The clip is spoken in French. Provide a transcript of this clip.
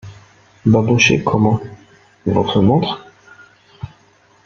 Babochet Comment ! votre montre ?